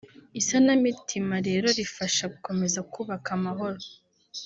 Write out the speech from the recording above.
Isanamitima rero rifasha gukomeza kubaka amahoro